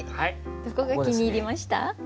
どこが気に入りました？